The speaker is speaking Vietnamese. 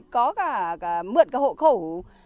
có cả mượn cái hộ khẩu